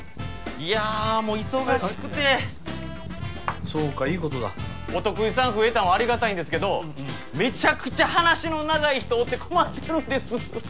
いやもう忙しくてはいはいそうかいいことだお得意さん増えたんはありがたいんですけどめちゃくちゃ話の長い人おって困ってるんです